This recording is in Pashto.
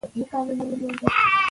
بښنه اوبه دي.